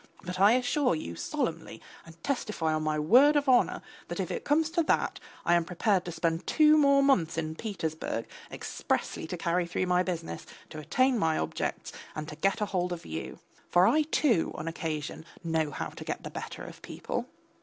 But I assure you solemnly and testify on my word of honour that if it comes to that, I am prepared to spend two more months in Petersburg expressly to carry through my business, to attain my objects, and to get hold of you. For I, too, on occasion know how to get the better of people.